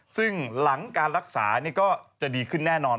ซึ่งหลังการรักษาก็จะดีขึ้นแน่นอน